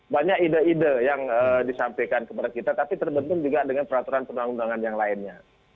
banyak ide ide yang disampaikan kepada kita tapi terbentuk juga dengan peraturan perundang undangan yang lainnya